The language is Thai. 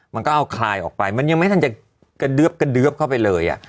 มันก็เอาคลายออกไปมันยังไม่ทันจะกระเดือบกระเดือบเข้าไปเลย